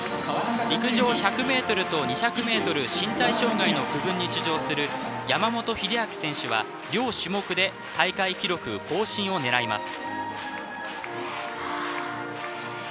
陸上１００ｍと２００ｍ身体障害の区分に出場する山本秀明選手は両種目で大会記録更新を狙います。